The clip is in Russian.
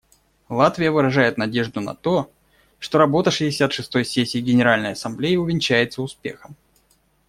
Латвия выражает надежду на то, что работа шестьдесят шестой сессии Генеральной Ассамблеи увенчается успехом.